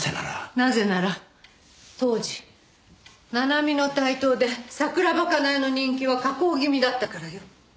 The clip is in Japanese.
なぜなら当時七海の台頭で桜庭かなえの人気は下降気味だったからよ。